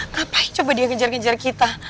ngapain coba dia ngejar ngejar kita